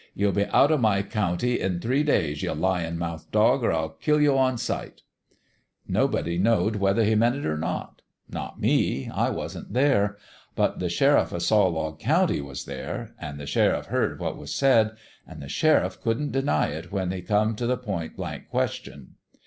' You'll be out o' my county in three days, you lyin' mouthed dog, or I'll kill you on sight 1 '" Nobody knowed whether he meant it or not. Not me : I wasn't there. But the sheriff o' Saw log County was there an' the sheriff heard what was said an' the sheriff couldn't deny it when he come t' the point blank question.